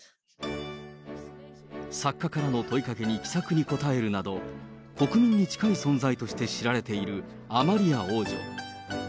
作家からの問いかけに気さくに答えるなど、国民に近い存在として知られているアマリア王女。